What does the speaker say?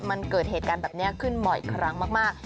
มันเกิดเหตุการณ์แบบนี้ขึ้นบ่อยครั้งมาก